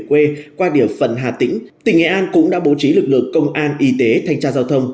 quê qua địa phần hà tĩnh tỉnh nghệ an cũng đã bố trí lực lượng công an y tế thanh tra giao thông